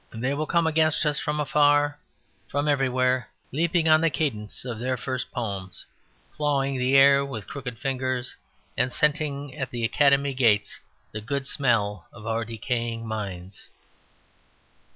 "They will come against us from far away, from everywhere, leaping on the cadence of their first poems, clawing the air with crooked fingers and scenting at the Academy gates the good smell of our decaying minds."